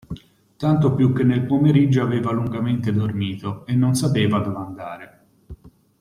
Tanto più che nel pomeriggio aveva lungamente dormito; e non sapeva dove andare.